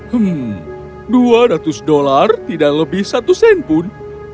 hmm dua ratus dolar tidak lebih satu sen pun